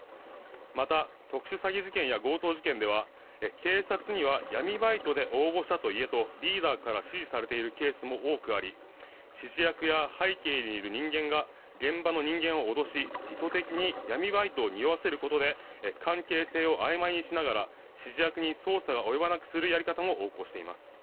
また、特殊詐欺事件や強盗事件では警察には闇バイトで応募したと言えとリーダーから指示されているケースも多くあり指示役や、背景にいる人間が現場の人間を脅し意図的に闇バイトをにおわせることで関係性をあいまいにしながら指示役に捜査が及ばなくする方法も横行しています。